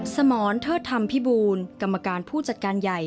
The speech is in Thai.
สมรเทิดธรรมพิบูลกรรมการผู้จัดการใหญ่